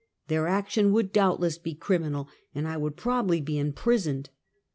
Their action would doubtless be criminal, and I would probably be imprisoned.